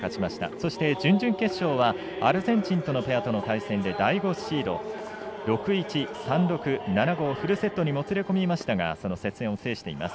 そして準々決勝はアルゼンチンのペアとの対戦で第５シード６−１、３−６、７−５とフルセットに持ち込みましたがその接戦を制しています。